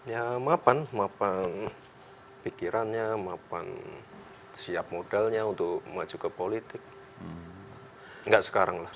ya mapan mapan pikirannya mapan siap modalnya untuk maju ke politik nggak sekarang lah